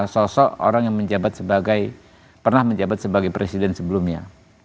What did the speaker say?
sosok orang yang menjabat sebagai pernah menjabat sebagai presiden sebelumnya